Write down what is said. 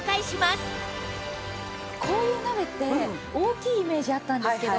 こういう鍋って大きいイメージあったんですけど